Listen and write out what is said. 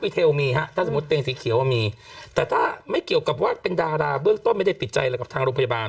ถ้าไม่เกี่ยวกับว่าเป็นดาราเบื้องต้นไม่ติดใจกับรับทางโรงพยาบาล